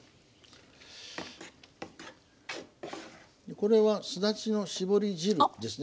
これはすだちの搾り汁ですね。